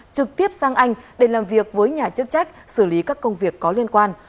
trực tiếp sang anh để làm việc với nhà chức trách xử lý các công việc có liên quan